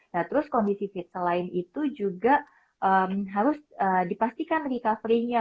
nah terus kondisi fit selain itu juga harus dipastikan recovery nya